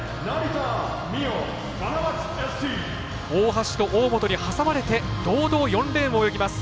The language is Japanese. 大橋と大本に挟まれて堂々４レーンを泳ぎます。